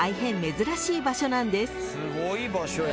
すごい場所やな。